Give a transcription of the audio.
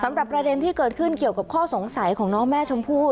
ประเด็นที่เกิดขึ้นเกี่ยวกับข้อสงสัยของน้องแม่ชมพู่